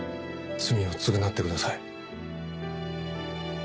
罪を償ってください。